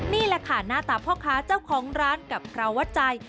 นี่แหละค่ะหน้าตาพ่อค้าเจ้าของร้านกับคราววัดใจ